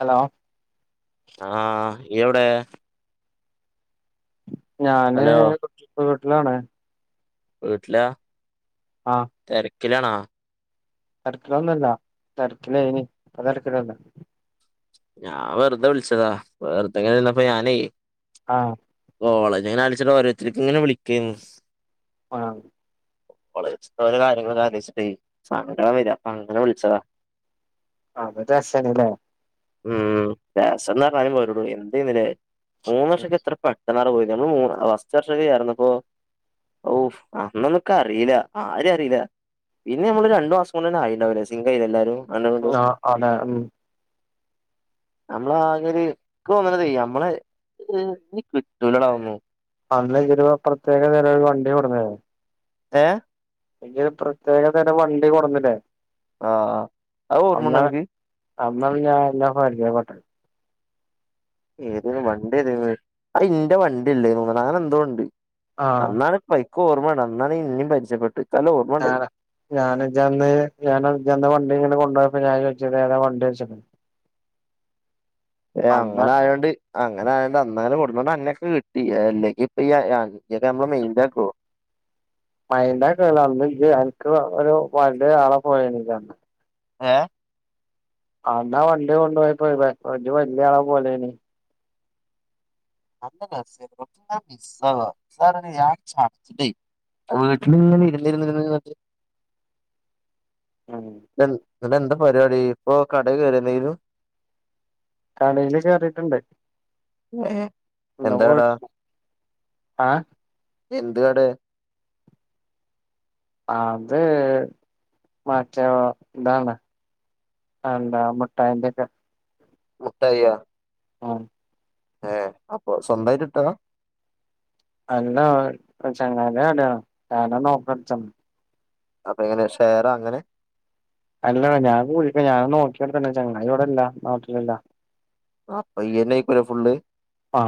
Hello ആഹ യ്യെ വിടെ ഞാന് ഹലോ കൊർച്ച ഇപ്പ വീട്ടിലാണ് വീട്ടിലാ ആഹ കിലാണോ? തെരക്കിലൊന്നല്ല തെര്ക്കിലായ്നി പ്പൊ തെരക്കിലല്ല ഞാൻ വെറുതെ വിളിച്ചതാ വെറുതെങ്ങനെ നിന്നപ്പോ ഞാനേ ആഹ കോളേജ്ങ്ങനെ അടച്ചിട്ട ഓരോരുത്തർക്ക് ഇങ്ങനെ വിളിക്കയ്ന് ആഹ കോളേജ്ത്തെ ഓര കാര്യങ്ങളാലോച്ചിട്ട സങ്കടം വെര അപ്പൊ അങ്ങനെ വിളിച്ചതാ അത് രസായ്നല്ലേ ഉം രസം ന്നാർഞ്ഞ പോരടൂ എന്തെയ്നുല്ലേ മൂന്ന് വർഷൊക്കെ എത്ര പെട്ടന്നാണ് പോയിനെ നമ്മൾ മൂ ഫസ്റ്റ് വർഷൊക്കെ ചേർന്നപ്പോ ഓ അന്നന്നക്ക അറിയില്ല ആര അറിയില്ല പിന്നെ നമ്മള് രു മാസം കൊണ്ട് തന്ന ആയിണ്ടാവില്ലേ സിങ്കയില്ലാരും ആ അതെ ഉം [unintelligible] നമ്മളെ ആകൊരു ഇക്കോന്ന്ണതേ നമ്മളെ ഇം ഇനി കിറ്റൂലടാഒന്നും അന്ന് അയിനൊരു പ്രത്യേക തര വണ്ടി കൊടന്നേ ഏ ജ് ഒര് പ്രത്യേക തെരം വണ്ടി കൊടുന്നില്ലേ ആ അ അത് ഓർമന്നനിനക്ക് അന്ന് അത് ഞാ എല്ലാ പരിചയപ്പെട്ട ഏത് വണ്ടി ഇതേപ്പോലെ അത് ഇന്റെ വണ്ടില്ലേ തോന്നണ അങ്ങനെ എന്തോണ്ട് ആഹ് അന്നാണ് പൈക്ക് ഓർമ്മണ്ട അന്നാണ് ഇന്നേം പരിചയപ്പെട്ടെ ഞാനാ ഞാനജ്ജന്ന് ഞാനജ്ജന്ന് വണ്ടി ഇങ്ങനെ കൊണ്ടോ അപ്പൊ ഞാൻ ചോയിച്ചു ഇത് ഏതാ വണ്ടി ചോയിച്ചപ്പോ ഏ അന്ന് അങ്ങനെ ആയോണ്ട് അങ്ങനെ ആയോണ്ട് അന്നാണ് കൊണ്ടോണ്ട് അനക്ക് കിട്ടി അല്ലെങ്കിപ്പൊ ഈ [unintelligible] നമ്മളെ മെയിന്റ ആക്കൊ [unintelligible] മൈൻ്റാകല്ല അന്ന് ഇജ് അൻക് ഒരു വണ്ടി ആളെ പോയേനിയല്ല അനക്ക് ഏ ആന്നാ വണ്ടിയാ കൊണ്ടോയപ്പൊ ഇജ് വല്യാളെപോലേനി അന്ന് രസേ [unintelligible] മിസ്സാവ ആ ചട്ച്ചിട്ടേ വീട്ടിലിങ്ങനെ ഇരുന്നിരുന്നിന്ന് [unintelligible] ഉം ഇന്നട്ടെദാ പരിപാടി ഇപ്പൊ കടേ കേറിയല്ലേനു കടയില് കേറീട്ടുണ്ട് ഏ എന്താടാ ആ എന്ത്കടെ അത് മറ്റെ എന്താണ് അതെന്താ മുട്ടായിന്റെ ഒക്കെ മുട്ടായിയ ഉം ഏ അപ്പൊ സ്വന്തായിട്ട് ഇട്ടതാ അല്ല ചങ്ങായിന്റെ കടയാ ഞാനാണ് ഓപ്പൺ അടിച്ചാണ് അപ്പൊങ്ങനെ ഷേറ അങ്ങനെ അല്ലടാ ഞാൻ കൂടിയിട്ട് ഞാ നോക്കിയ തന്ന ചങ്ങായിവടല്ല നാട്ടിലില്ല ആപ്പയ്യനേക്കുലെ ഫുള്ള് ആ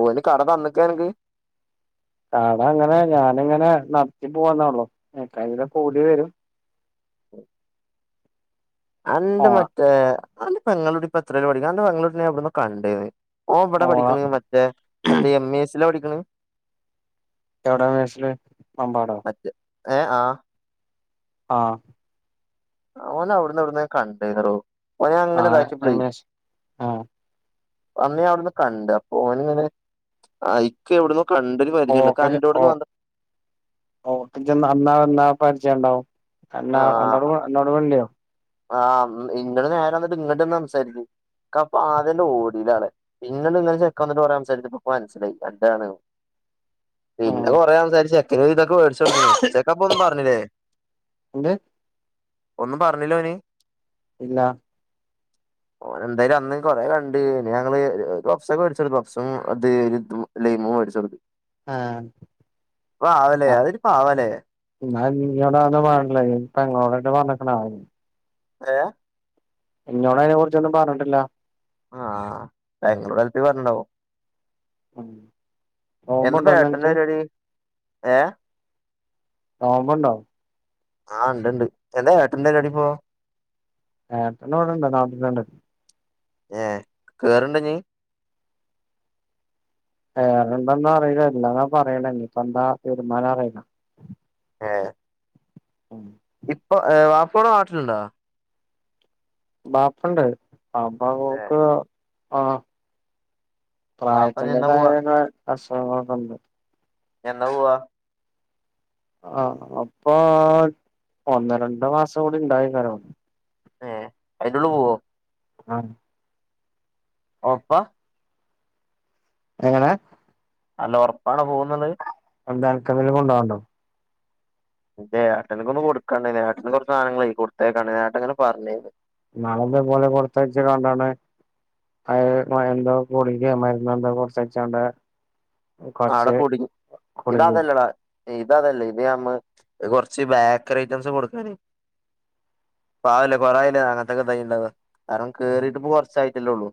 ഓന് കട തന്നക്ക എനക്ക് കാട അങ്ങനെ ഞാനിങ്ങനെ നടത്തി പോവാന്നാ ഉള്ളു എക്കടെ കൂടി വരും എന്റെ ഓണ മറ്റേ എന്റെ പങ്ങളോടിപ്പ എത്രൽ പഠിക്കും അന്റെ പങ്ങളോട എവിടന്ന് കണ്ടേന്ന് ഓ ഇവടെ ഓണ പഠിക്കെണ മറ്റേ മറ്റേ എം ഇ എ സിലാ പഠിക്കണ് എവിടാ വയസില് അമ്പാടോ മറ്റേ ഏ ആ ആ അവെന അവിടുന്ന് എവിട്ന്നോ ഞാ കഢീനിയെടൊ ഓനെ ഞാ ഇങ്ങനെ ആഹ് ഇതാക്കിയപ്പളേ എം എസ് ആഹ് അന്നേ അവിടുന്ന് കണ്ട് അപ്പൊ ഓന് ങ്ങനെ ഇക്ക എവിടന്ന് ഓ ഓ ണ്ടാവും എന്ന എന്നോട് ഓട് മിണ്ടിയൊ ആഹ് ഇങ്ങട് നേരെ വന്നിട്ട് ഇങ്ങട്ടെന്നെ സംസാരിച്ച് അപ്പൊ ആദ്യന്നെ ഓടിയിലാാണ് പിന്നെ നിങ്ങൾ ചെക്കന്നിട്ട് കൊറേ സംസാരിച്ചപ്പൊ മനസ്സിലായി എന്താന്ന് പിന്നെ ഉം കൊറേ സംസാരിച്ച് ചെക്കന് വിധൊക്കെ മേടിച്ചൊടുത്ത്ണ് ചെക്ക അപ്പ ഒന്നും പറഞ്ഞില്ലേ എന്ത് പറഞ്ഞില്ലെ ഓന് ഇല്ല [inaudible] ഓന് എന്തായാലും അന്ന് കൊറെ കണ്ട് ഞങ്ങള് ബോക്സ് ഒക്കെ മേടിച്ചു ബോക്സും അത് ഒര് ഇതും ലെയിമും വേടിച്ചു കൊടുത്തു ആഹ് ആ അവ് ലെ അത് ഒര് പാവലെ ന്നാ നിന്നോട് പറഞ്ഞത് ഇപ്പം ഞൻങ്ങളോടെറ്റം പറഞ്ഞിക്ക്‌ണോ ആവോ എ ഇന്നോട് അയിനെ കുറിച്ചൊന്നും പറഞ്ട്ടില്ല ആഹ് ബാംഗ്ലൂർഎത്തി പറഞ്ണ്ടാവും ഉം എന്താപ്പം നോമ്പുണ്ടോന്ന് ഏട്ടന് അനക്ക് പരിപാടി ഏ നോമ്പ് ഒണ്ടോ ആഹ് ഉണ്ട്ണ്ട് എന്താ ഏട്ടന്റെ പരിപാടി ഇപ്പൊ ഏട്ടന് ഇവിടെണ്ട് നാട്ടിതന്നെ ഏ കേറ്ണ്ടൊ ഞ്ഞി കേറ്ണ്ടൊന്ന് അറിയില്ല ഇല്ലാന്നാ പറയണെ ഇനിയിപ്പ എന്താ തീരുമാനം അറയില്ല ഏ ഉം ഇപ്പ വാപ്പ നാട്ടില്ണ്ടോ ബാപ്പണ്ട് ബാപ്പ ഏ പോക്ക് ആഹ് വാപ്പ ഇഞ്ഞ് എന്നാ പ്രായത്തിന്റെതായ പോവാ ത അസുഖങ്ങളൊക്കെഒണ്ട് എന്നാ പോവ്വാ ആഹ് അപ്പൊ ഒന്ന് രണ്ട് മാസം കൂടി ഉണ്ടായി കാരം ഏ അയിന്റുള്ളി പോവോ ആഹ് ഓ പ്പ എങ്ങനെ അല്ല ഒറപ്പാണ് പോകുന്നുള്ളയ് എന്താ അനക്ക് എന്തേലും കൊണ്ടോവാൻ ഒണ്ടോ ഇന്റെ ഏട്ടന്ക്കൊന്ന് കൊടുക്കൻ ഒണ്ടായിന് ഏട്ടന് കൊറേ സാനങ്ങളെയ് കൊടുത്തയ്ക്കാൻ ഉണ്ടായി ഏട്ടൻ ഇങ്ങനെ പറഞ്ഞിന്നു ഇന്നാളിതെ പോലെ കൊറച്ച് അയച്ച് കണ്ടാണ് അ എ എന്തോ ഗുളികയൊ മരുന്നൊ എന്തോ കൊറച്ച് അയച്ചാണ്ട് ആടെ കുടുങ്ങി ഇതതല്ലടാ ഇത് അതല്ലേ ഇത് നമ്മ കൊറച്ച് ബേക്കറി ഐറ്റംസ് കൊടുക്കാനെ പാവല്ലേ കൊറെആയില്ലേ അനത്തൊക്കെ ട്രൈ ണ്ടാവാ കാരണം കേറീട്ട്പ്പൊ കോർച്ചായിട്ടല്ലേഒള്ളൂ.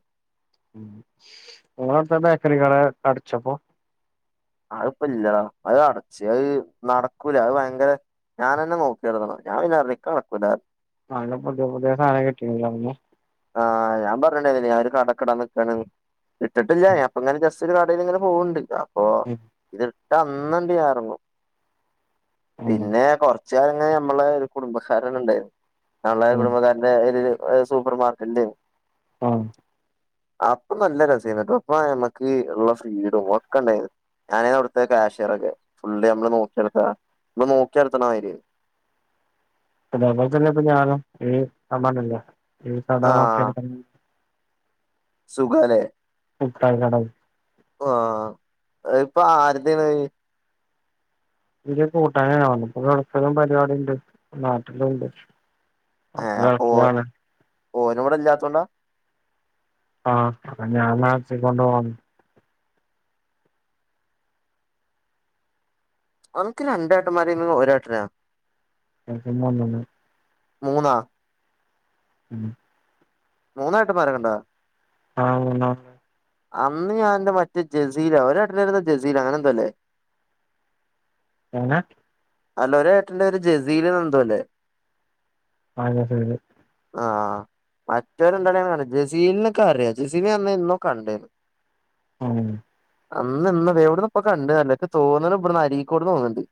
ഉം ഇങ്ങളെന്താ ബേക്കറി കട അടച്ചോപ്പൊ? അഹ്പ്പല്ലടാ അഹ് അടച്ച് അഹ് നടക്കൂല അഹ് ഭയങ്കര ഞാനെന്നെ നോക്കി അട്ത്തണം ഞാൻ പിന്നെ പർഞ് ക്ക്‌ നടക്കൂലാ. നല്ല പുതിയ പുതിയ സാനം കിട്ടിയിനു അവ്ട്ന്ന് ആഹ് ഞാൻ പറഞ്ഞണ്ടേയ്നില്ലെ ഞാൻ ഒര് കടക്ക്‌ടാ നിക്കാന്ന്. ഇട്ടിട്ടില്ല ഞാൻ ഇപ്പ ഇങ്ങനെ ജസ് സില് കടേല്ങ്ങനെ പോവ്ണ്ട്. അപ്പൊ ഇത്ട്ടാ അന്നണ്ട്യ ഞാൻ എറങ്ങും ഉം പിന്നെ കൊർച്ചുകാലം ഇങ്ങനെ ഞമ്മളെ ഒരു കുടുംബക്കാരൻണ്ടാര്ന്ന് തള്ളെ ഉം കുടുംബക്കാര്ടെ ഒര് സൂപ്പർ മാർക്കറ്റെ ആഹ് അപ്പം നല്ല രസയിന്നുട്ടോ അപ്പ ഞമ്മക്ക് ള്ള ഫ്രീടോം ഒക്കെണ്ടായി ഞാനയിന്നു അവ്ട്ത്തെ കാഷറൊക്കെ. ഫുള്ള് യമ്മള് നോക്കി നടത്ത്വാ. മ്മള് നോക്കി അട്ത്ണ മായ്രി യേന്ന് അതെ പോൽതന്നെ ഇപ്പൊ ഞാനും ഈ [unintelligible] സുഖാലേ മുട്ടായികടേയ് അഹ് ഇപ്പൊ ആര്തേയ്ണത് ഇവര് കൂട്ടാനാല്ലോ വന്നത് [unintelligible] പരിപാടിണ്ട് നാട്ടിലുംണ്ട് ഏഹ് [unintelligible] അപ്പൊ സുഖാണ് ഓന് ഇവിടെ ഇല്ലാത്തോണ്ടാ ആഹ് അ ഞാൻ നാച്ചികൊണ്ടോവണംന്ന് അവൻക്ക് രണ്ടെട്ടന്മാരേയ്രുന്നു ഒരേട്ടനോ എനിക്കും ഒന്നെന്നേ മൂന്നാ ഉം മൂണ്ണേട്ടന്മാരൊക്കെണ്ടാ ആഹ്ണോ അന്ന് ഞാൻന്റെ മറ്റേ ജസീലൊ ഒരേട്ടന്റെപേരെന്താ ജസീലൊ അങ്ങനെന്തേല്ലേ എങ്ങനെ അല്ല ഒരേട്ടന്റെ പേര് ജസീല്ന്നന്തോല്ലേ അതെ ശരി ആഹ് മറ്റോരെന്താണ് [unintelligible] ജസീലിനെക്കറിയാ ജസീൽനെ ഞാൻ അന്നെന്നും കണ്ടേന്ന് ഉം. അന്ന് ഇന്ന് വ എവിടന്നപ്പൊ കണ്ട്ന്ന റീലാ ഇക്ക് തോന്ന്ണ് ബ്ട്ന്ന് അരിക്കോട്ന്ന് തോന്ന്ണ്ട്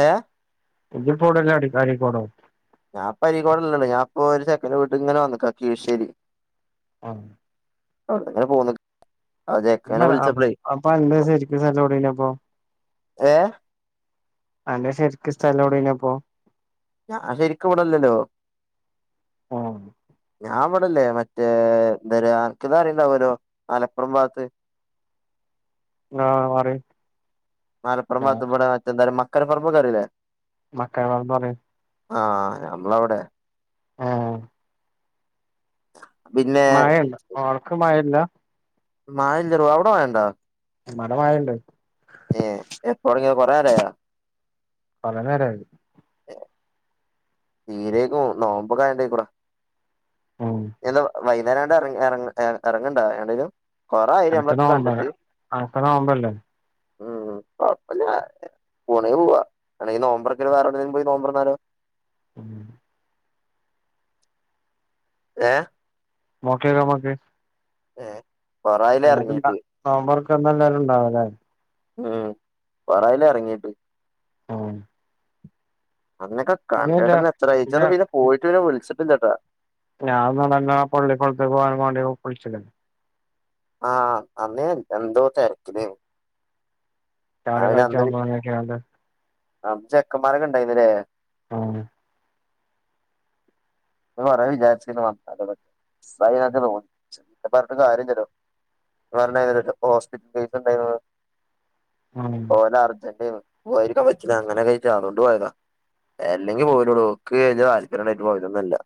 ഏയാ ഇജ്ജ്പ്പൊ ഔടെള്ളേ അടീ അരീക്കോടോ ഞാൻപ്പ അരിക്കോട്ള്ളല്ലള്ളത് ഞാപ്പോ ഒരു ചെക്കന്റെ വീട്ട്ക്ക്ങ്ങനെ വന്നു പൊ കീശ്ശേരി ആഹ് അങ്ങനെ പോന്ന് ആ ചെക്കനെ മ്മേതാ അം വിളിച്ചപ്പളേ അപ്പ അന്റെ ശരിക് സ്ഥലോഡേഞപ്പൊ ഏഹ് അന്റെ ശരിക്കും സ്ഥലോടേഞപോ? ഞ അ ശരിക്കും ഇവടെല്ലല്ലോ ആഹ് ഞാൻ വിടെല്ലേ മറ്റേ എന്തര്യാ അൻക് താറിണ്ടാവലോ മലപ്പുറം ഭാഗത്ത് ആഹ് അറിം മലപ്പറം ബാത്ത് വടെ മറ്റെന്താര്യ മക്കരപ്പറമ്പൊകറിയില്ലേ? മക്കരപർമ്പ് അറിം ആഹ് നമ്മളവിടെ ആഹ് പിന്നെ മഴല്ല ൾക്ക് മഴല്ല മഴ ഇല്ല അവിട മഴ ഉണ്ടോ ഇവടെ മഴയുണ്ട് ഏ എപ്പോങ കൊറേറായോ പല നേരംമായിത് തീരേക്കും നോമ്പൊ കായക്കൂടാ ആഹ വൈകേരംണ്ട് ഇ ഇറ ഇറങ്ങണ്ടോ ലും കൊറായി അനക്ക് നമ്മളൊക്കെ നോമ്പല്ലേ കണ്ടിട്ട് അനക്ക് നോമ്പല്ലേ ഉ അ പോണേ പോവവാ അലക്കി ഈ നവംബറകൽ വേറെ എടെങ്കിലും പോയി നവംബർന്നലോ ഏ നോക്കിയലമക് ഏ പൊറായില അറങ്ങിട്ട് പിന്നെ ദേലും ണ്ടാവലെ ഉം പറല്ലേ ഇറങ്ങീട്ട് ആഹ അന്നൊക്കെ കണ്ടിട്ടന്ന ഇല്ല എത്രയച്ച പിന്നെ പോയിട്ട് പിന്നെ വിളിച്ചിട്ടില്ലട്ടാ ഞാൻ നടന്ന പള്ളിക്കൊളത്ത പോകാനൻ വേണ്ടി കുളിച്ക് ണ് ആ അന്നേ എന്തോ തിരക്കിലെ നി താഴക്കൾച്ച പോകുന്ന കേമ്പ് അന്ന് ചെക്കന്മാരൊക്കെ ഉണ്ടായിന്നല്ലേ ആഹ പറൻ വിചാരിച്ച വന്ന പ തോന്നി പറഞ്ഞട്ട് കാര്യം ഇല്ലാലോ പറ ഹോസ്പിറ്റൽ ഫസ് ഉണ്ടായി ഉം പോലെ അർജന്റ് പോരിക്ക വ അങ്ങനെ കഴിച്ച അതുകൊണ്ട് പോയതാ അല്ലെങ്കിൽ പോവുല്ലെടോ ക് താല്പര്യം ഉണ്ടായിട്ട് പോയതോന്നല്ല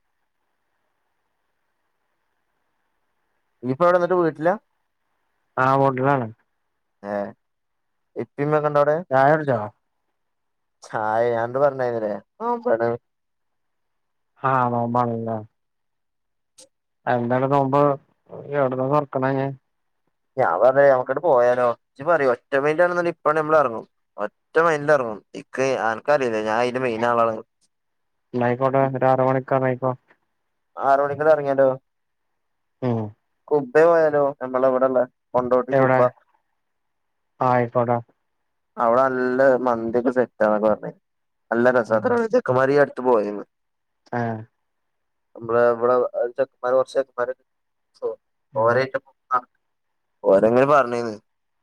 ഇപ്പ എവിടെ എന്നിട്ട് വീട്ടില ആഹ് മോട്ടലാണ് ഹ ഇപ്പമ്മ കണ്ട അവിടെ ചായ കുടിച്ചോ ചായ ഞണ്ട് പറഞ്ഞന്നര ആ പറ ആഹ ആറോബാണലെ എന്താല നോബ് എവിട [unintelligible] ഞാൻ പറ നമക്കിടെ പോയാലോ ചി പറോ ഒറ്റ മൈൻണ ഇപ്പഴ ഞമ്മള ഇറങ്ങു ഒറ്റ മൈൻറ് ഇറങ്ങു ഇ ആൾക്കാരല്ല ഞാൻ അതിന്റെ മെയിൻ ആളാണ് യിക്കോട്ടെ ഒ അറ മണിക്കർയിക്കോ ആറ മണിക്കടെ ഇറങ്ങിയാലോ ഉം [unintelligible] പോയാലോ നമ്മളെ ഇവിടെള്ള കൊണ്ടോട്ടി എവിടൊ കുബ്ബ ആയിക്കോട്ടോ അവിടെ നല്ല മന്തിയക്കെ സെറ്റാണ് പറഞ്ഞ നല്ല രസ ചെക്കന്മാര് ഇ പോയന്ന് ആഹ അ വർഷ ഉം ഓരെങ്ങനും പറഞ്ഞന്ന്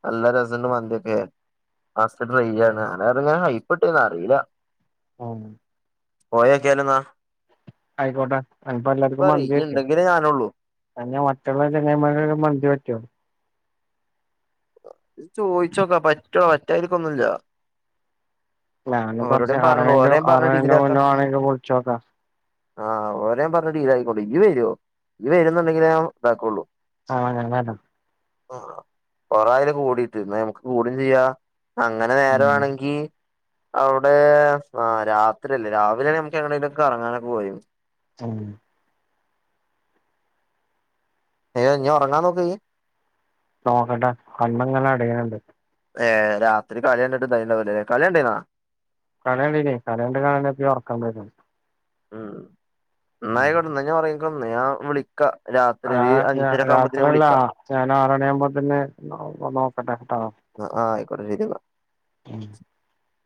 നല്ല രസന്റെ മന്തിക്കെ [unintelligible] ഡിയി ആണ് ഹൈപ്പെട്ടേന്ന് അറിയില്ല ആഹ പോയൊക്കെല ഇന്നാ ആയിക്കോട്ടെ അനിപ്പോ എല്ലാർക്കും പറയ് മന്തി ഇയ്യ് പറ്റ ഇണ്ടെങ്കിലേ ഞാനൊള്ളൂ ക ഞാൻ മറ്റുള്ള ചെങ്ങമാ ഒരു മന്തി പറ്റോ ചോയിച്ചോക്കാ പറ്റോ പറ്റാതിരിക്കൊന്നുംഇല്ല ഞാന് കുറച്ച് അറ പറഞ്ഞ് അറണ്ട ഡീലാക്കാ മുന്നോ ആണെൽ വിളിച്ചോക്കാം ആഹ് ഓലെ യാം പറഞ് ഡീലാക്കിക്കോണ്ട്. ഇയ്യ് വരോ? ഇയ് വരുന്നുണ്ടെങ്കിലേ ഞാഉ താക്കുള്ളൂ. ആഹ് ഞാ വരാ [unintelligible] ആഹ് കൊറായില് കൂടിട്ട് ഇന്ന നമക്ക് കൂടും ചെയ്യാ അങ്ങനെ ഉം നേരമാണെങ്കി അവിടെ ആഹ് രാത്രില്ലേ രാവിലെണ നമുക്ക് എങ്ങനെിലുംക്കെ കറങ്ങാനൊക്കെ പോവേഞ് ചൗ ഏഹ് ഞ് ഒറങ്ങാൻ നോക് നോക്കട്ടെ കണ്ണ്ങ്ങനെ അടിയ്ണ് ണ്ട് ഏഹ് രാത്രി കളി യണ്ടിട്ട് തായിണ്ടാഉലെ. കളി അണ്ടീനോ? കളി അണ്ടീനി കളി അണ്ട്ആഞപൊ ഓർക്കം വര്ന്നത്. ഉം എന്നായിക്കോട്ടെ ന്ന ഞാഒർങ്ങിക്കൊന്ന് ഞാൻ വിളി ആഹ് രാ രാത്രയല്ല. വിളിക്കാ ഞാൻ ആറണിയാഉമ്പോ തന്നെ നോ നോക്കട്ടെട്ടോ അ ആ അയ്ക്കോട്ടെ ശെരി ന്നാ [inaudible]